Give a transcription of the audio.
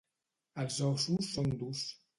Els ossos són durs.